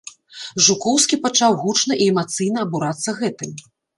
Жукоўскі пачаў гучна і эмацыйна абурацца гэтым.